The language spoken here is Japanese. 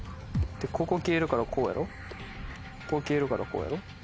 ここ消えるからこうやろここ消えるからこうやろ。